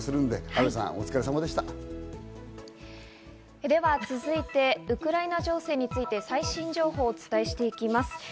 では続いて、ウクライナ情勢について最新情報をお伝えしていきます。